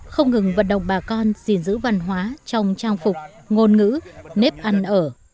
không ngừng vận động bà con gìn giữ văn hóa trong trang phục ngôn ngữ nếp ăn ở